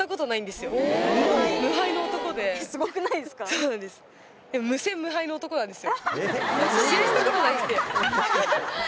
そうなんです。